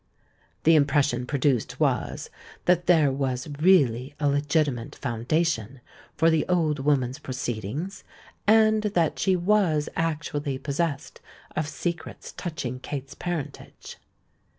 The impression produced was, that there was really a legitimate foundation for the old woman's proceedings, and that she was actually possessed of secrets touching Kate's parentage.